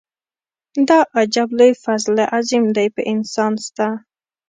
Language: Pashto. دا عجب لوی فضل عظيم دی په انسان ستا.